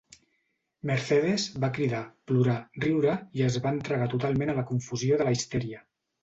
Mercedes va cridar, plorar, riure i es va entregar totalment a la confusió de la histèria.